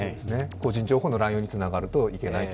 個人情報の乱用につながるといけないと。